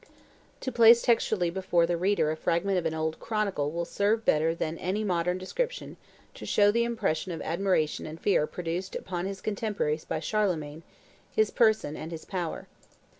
To place textually before the reader a fragment of an old chronicle will serve better than any modern description to show the impression of admiration and fear produced upon his contemporaries by Charlemagne, his person and his power.